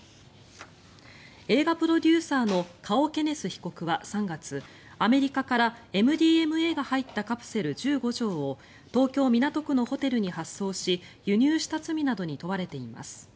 映画プロデューサーのカオ・ケネス被告は３月アメリカからＭＤＭＡが入ったカプセル１５錠を東京・港区のホテルに発送し輸入した罪などに問われています。